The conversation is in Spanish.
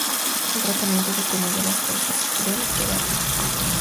El tratamiento depende de la causa del queratitis.